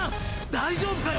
大丈夫かよ！？